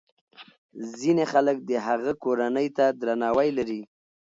ځینې خلک د هغه کورنۍ ته درناوی لري.